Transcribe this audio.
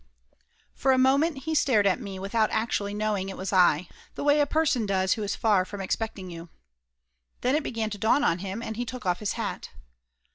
OR a moment he stared at me without actually F knowing it was I, the way a person does who is far from expecting to see you. Then it began to dawn on him and he took off his hat.